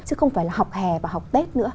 chứ không phải là học hè và học tết nữa